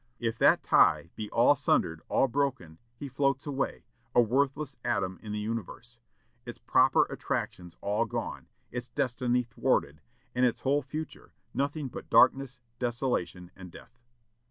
If that tie be all sundered, all broken, he floats away, a worthless atom in the universe; its proper attractions all gone, its destiny thwarted, and its whole future nothing but darkness, desolation, and death."